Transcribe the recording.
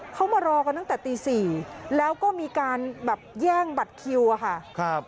เขามารอกันตั้งแต่ตี๔แล้วก็มีการแบบแย่งบัตรคิวอะค่ะ